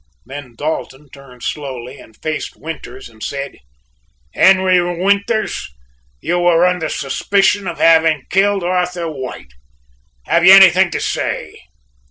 Then Dalton turned slowly and faced Winters and said: "Henry Winters! You are under suspicion of having killed Arthur White. Have you anything to say?"